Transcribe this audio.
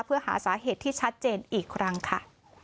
เพื่อหาสาเหตุที่ชัดเจนอีกครั้งค่ะ